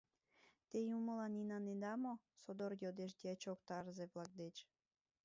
— Те юмылан инанеда мо? — содор йодеш дьячок тарзе-влак деч.